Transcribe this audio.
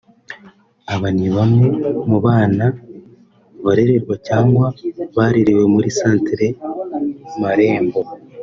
Aba nibamwe mu bana barererwa cyangwa barerewe muri Centre Marembo